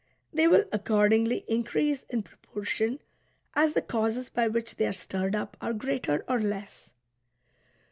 They will accordingly increase in proportion as the causes by which they are stirred up are greater or less.